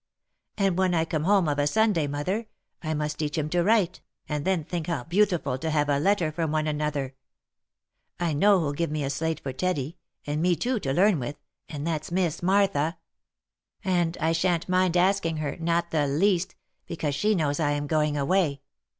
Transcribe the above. And when I come home of a Sunday, mother, I must teach him to write, and then think how beautiful to have a letter from one another ! I know who'll give me a slate for Teddy, and me too, to learn with, and that's Miss Martha. And I shan't mind asking her, not the least, because she knows I am going away.